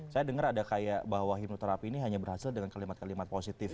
saya dengar ada kayak bahwa hipnoterapi ini hanya berhasil dengan kalimat kalimat positif